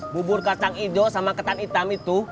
bubur kacang hijau sama ketan hitam itu